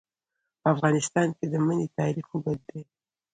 په افغانستان کې د منی تاریخ اوږد دی.